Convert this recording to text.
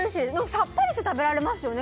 さっぱりして食べられますよね